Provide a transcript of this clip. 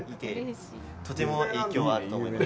とても影響はあると思います。